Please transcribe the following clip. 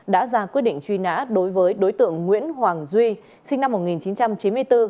đã ra quyết định truy nã đối với đối tượng nguyễn hoàng duy sinh năm một nghìn chín trăm chín mươi bốn